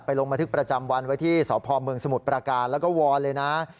ลงบันทึกประจำวันไว้ที่สพเมืองสมุทรประการแล้วก็วอนเลยนะ